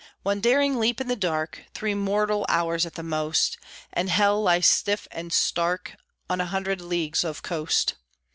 One daring leap in the dark, Three mortal hours, at the most, And hell lies stiff and stark On a hundred leagues of coast.